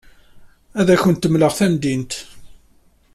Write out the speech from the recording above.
Ad awent-d-mleɣ tamdint.